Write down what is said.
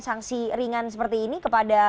sanksi ringan seperti ini kepada